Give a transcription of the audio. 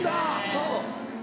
そう。